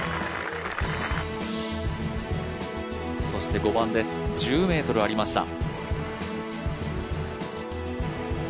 そして５番です、１０ｍありました。